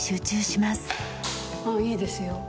ああいいですよ。